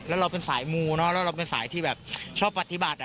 แล้วเราเป็นสายมูเนอะแล้วเราเป็นสายที่แบบชอบปฏิบัติ